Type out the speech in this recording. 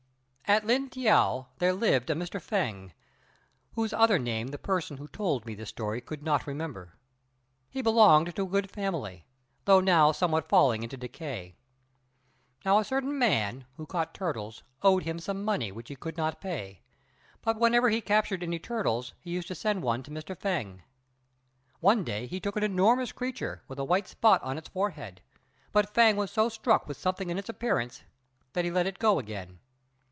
At Lin t'iao there lived a Mr. Fêng, whose other name the person who told me this story could not remember; he belonged to a good family, though now somewhat falling into decay. Now a certain man, who caught turtles, owed him some money which he could not pay, but whenever he captured any turtles he used to send one to Mr. Fêng. One day he took him an enormous creature, with a white spot on its forehead; but Fêng was so struck with something in its appearance, that he let it go again.